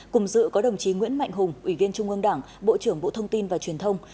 cùng dự có đồng chí nguyễn mạnh hùng ủy viên trung ương đảng bộ trưởng bộ thông tin và truyền thông